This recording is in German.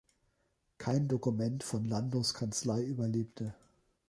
Kein Dokument von Landos Kanzlei überlebte.